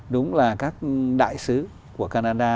đúng là các đại sứ của canada